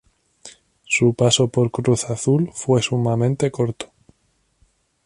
Su paso por Cruz Azul fue sumamente corto.